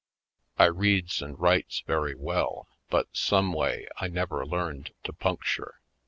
I reads and writes very well but someway I never learned to puncture.